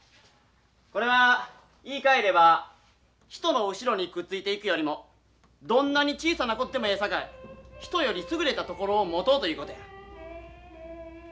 これは言いかえれば人の後ろにくっついていくよりもどんなに小さなことでもええさかい人より優れたところを持とうということや。